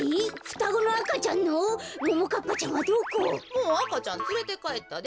もうあかちゃんつれてかえったで。